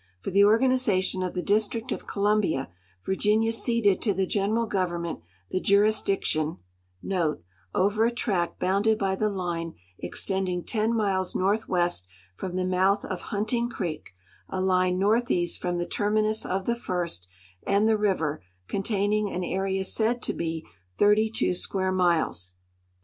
For the organization of the Di.strict of Columbia, Virginia ceded to the General Government the jurisdiction* over a tract l)ounded by tbe line extending ten miles northAvest from the mouth of Hunting creek, a line north east from the terminus of the first, and the river, containing an area said to be thirty tAvo square miles.